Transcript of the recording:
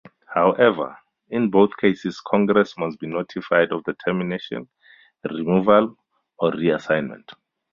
However, in both cases Congress must be notified of the termination, removal, or reassignment.